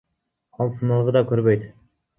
Ал сыналгы да көрбөйт.